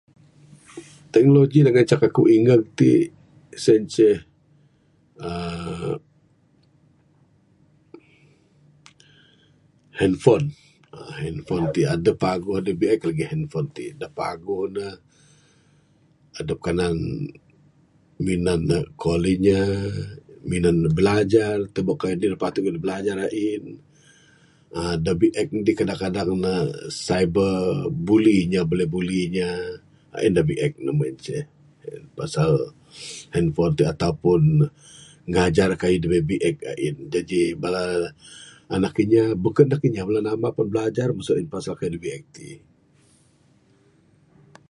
Teknologi da ngancak aku ingeg ti sien ce uhh handphone uhh handphone ti adeh paguh adeh biek lagih handphone ti. Da paguh ne, adep kanan minan ne call inya minan ne bilajar tubek anih kayuh da bilajar ain. uhh da biek ti kadang kadang ne cyberbully ne buleh bully inya ain da biek ne meng en ce pasal handphone ti ato pun ngajar kayuh da biek biek ain, jaji bala anak inya beken bala anak inya bala namba pun blajar lgih kayuh da biek ti.